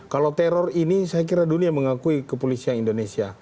kalau teror ini saya kira dunia mengakui kepolisian indonesia